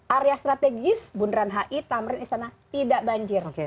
area strategis bundaran hi tamrin istana tidak banjir